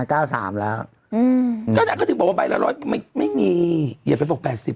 ก็นางก็ถึงบอกว่าใบละร้อยไม่ไม่มีอย่าไปบอกแปดสิบ